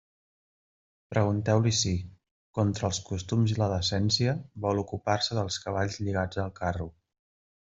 Pregunteu-li si, contra els costums i la decència, vol ocupar-se dels cavalls lligats al carro.